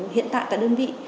hiện tại tại đơn vị